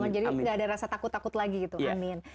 jadi nggak ada rasa takut takut lagi gitu amin